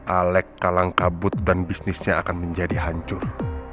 alek kalang kabut dan bisnisnya akan menjadi hancur